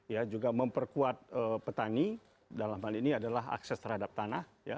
dan juga memperkuat petani dalam hal ini adalah akses terhadap tanah